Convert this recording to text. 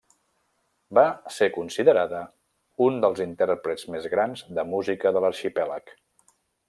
Va ser considerada un dels intèrprets més grans de música de l'arxipèlag.